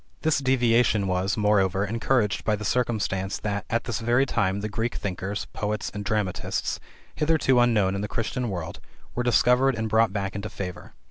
This deviation was, moreover, encouraged by the circumstance that, at this very time, the Greek thinkers, poets, and dramatists, hitherto unknown in the Christian world, were discovered and brought back into favor.